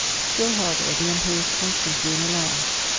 "Still, however, the Emperor was constantly in alarm.